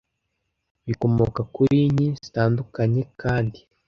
bikomoka kuri nki zitandukanye kandi